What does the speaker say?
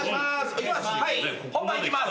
本番いきます。